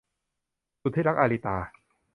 สุดที่รัก - อาริตา